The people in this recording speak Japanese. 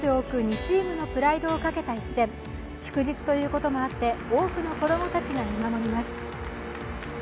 祝日ということもあって多くの子供たちが見守ります。